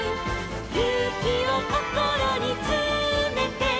「ゆうきをこころにつめて」